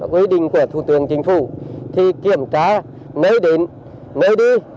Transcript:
quy định của thủ tướng chính phủ thì kiểm tra mới đến mới đi